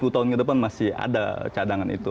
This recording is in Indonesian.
dua puluh tahun ke depan masih ada cadangan itu